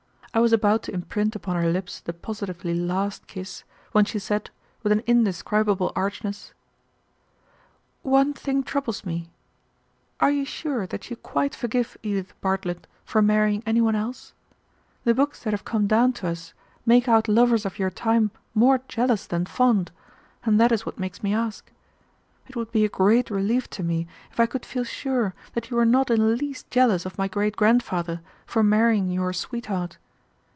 I was about to imprint upon her lips the positively last kiss, when she said, with an indescribable archness: "One thing troubles me. Are you sure that you quite forgive Edith Bartlett for marrying any one else? The books that have come down to us make out lovers of your time more jealous than fond, and that is what makes me ask. It would be a great relief to me if I could feel sure that you were not in the least jealous of my great grandfather for marrying your sweetheart.